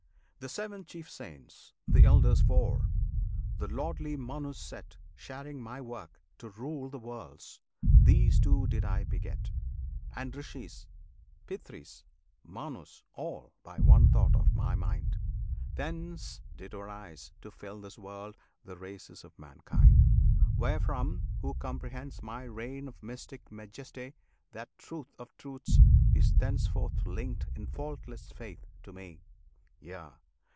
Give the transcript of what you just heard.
The Seven Chief Saints, the Elders Four, the Lordly Manus set Sharing My work to rule the worlds, these too did I beget; And Rishis, Pitris, Manus, all, by one thought of My mind; Thence did arise, to fill this world, the races of mankind; Wherefrom who comprehends My Reign of mystic Majesty That truth of truths is thenceforth linked in faultless faith to Me: Yea!